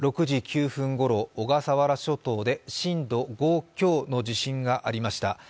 ６時９分ごろ小笠原諸島で震度５強の地震がありました。